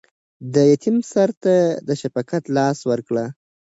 د یتیم سر ته د شفقت لاس ورکړئ.